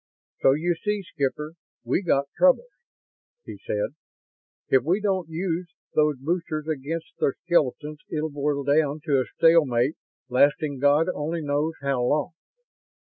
"So you see, Skipper, we got troubles," he said. "If we don't use those boosters against their skeletons it'll boil down to a stalemate lasting God only knows how long.